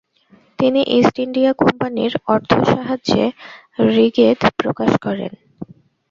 তিনি East India কোম্পানীর অর্থসাহায্যে ঋগ্বেদ প্রকাশ করেন।